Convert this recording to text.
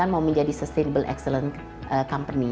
dan kami juga menjadi sustainable excellence company